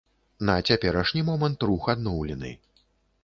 На цяперашні момант рух адноўлены.